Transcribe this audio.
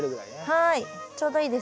はい。